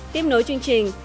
tiếp nối chương trình